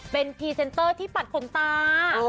เป็นพรีเซนเตอร์ที่ปัดขนตา